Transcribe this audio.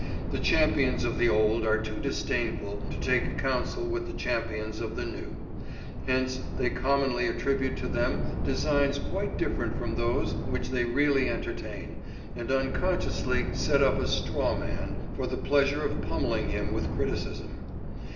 The champions of the old are too disdainful to take counsel with the champions of the new; hence they commonly attribute to them designs quite different from those which they really entertain, and unconsciously set up a straw man for the pleasure of pummelling him with criticism.